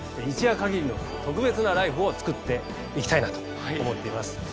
一夜限りの特別な「ＬＩＦＥ！」を作っていきたいなと思っています。